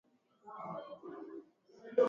Dereva walibishania abiria njiani